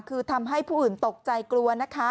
คือทำให้ผู้อื่นตกใจกลัวนะคะ